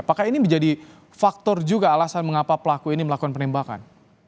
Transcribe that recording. apakah ini menjadi faktor juga alasan mengapa pelaku ini melakukan penembakan